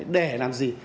để làm gì